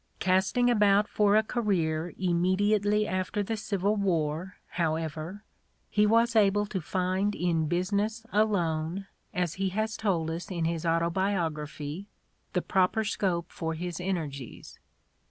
Casting about for a career immediately after the Civil War, however, he was able to find in business alone, as he has told us in his Auto biography, the proper scope for his energies.